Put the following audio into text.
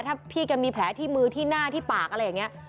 ถ้าพี่แกมีแผลที่มือที่หน้าที่ปากอะไรอย่างนี้